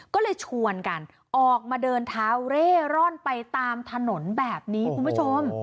ก็เลยชวนกันออกมาเดินเท้าเร่ร่อนไปตามถนนแบบนี้คุณผู้ชม